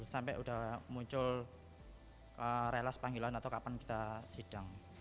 sampai udah muncul relas panggilan atau kapan kita sidang